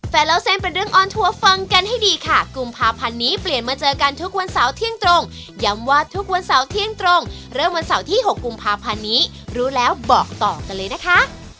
เล่าเส้นเป็นเรื่องออนทัวร์ฟังกันให้ดีค่ะกุมภาพันธ์นี้เปลี่ยนมาเจอกันทุกวันเสาร์เที่ยงตรงย้ำว่าทุกวันเสาร์เที่ยงตรงเริ่มวันเสาร์ที่๖กุมภาพันธ์นี้รู้แล้วบอกต่อกันเลยนะคะ